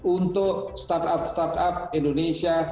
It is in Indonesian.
untuk startup startup indonesia